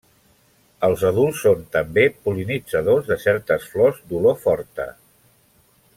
Els adults són també pol·linitzadors de certes flors d'olor forta.